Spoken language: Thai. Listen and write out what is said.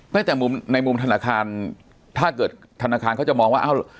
ไม่แต่มุมในมุมธนาคารถ้าเกิดธนาคารเขาจะมองว่าอ้าว